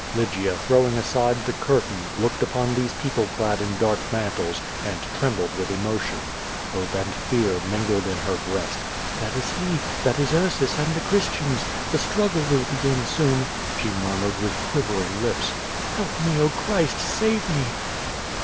'' Lygia, throwing aside the curtain, looked upon these peo ple clad in dark mantles, and trembled with emotion. Hope and fear mingled in her breast. "That is he! That is Ursus and the Christians! The struggle will begin soon,'' she mur mured, with quivering lips. "Help me. Oh Christ, save me!"'